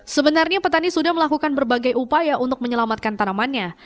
sebenarnya petani sudah melakukan berbagai upaya untuk menyelamatkan tanamannya